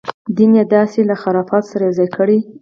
دین یې داسې له خرافاتو سره یو ځای کړی.